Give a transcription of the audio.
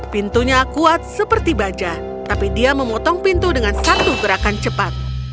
pintunya kuat seperti baja tapi dia memotong pintu dengan satu gerakan cepat